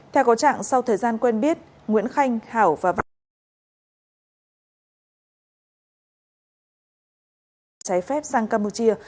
theo có trạng sau thời gian quen biết nguyễn khanh hảo và văn khanh đã đưa trái phép sang campuchia